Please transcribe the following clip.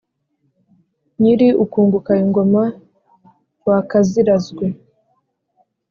nyiri ukunguka ingoma, wakazirazwe.